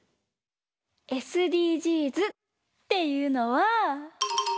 ＳＤＧｓっていうのは。